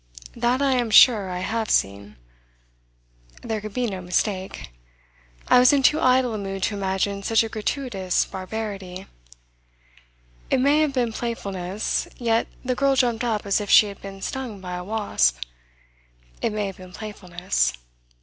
That I am sure I have seen! There could be no mistake. I was in too idle a mood to imagine such a gratuitous barbarity. It may have been playfulness, yet the girl jumped up as if she had been stung by a wasp. It may have been playfulness.